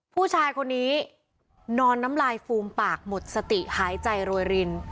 ผู้ชายคนนี้นอนน้ำลายฟูมปากหมดสติหายใจโรยริน